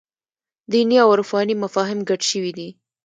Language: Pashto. دیني او عرفاني مفاهیم ګډ شوي دي.